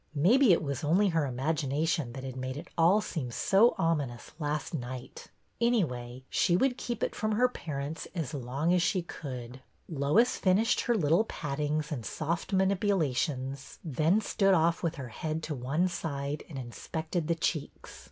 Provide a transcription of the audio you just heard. Maybe it was only her imag ination that had made it all seem so ominous last night. Anyway, she would keep it from her par ents as long as she could. Lois finished her little pattings and soft manip ulations, then stood off with her head to one side and inspected the cheeks.